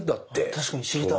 確かに知りたい。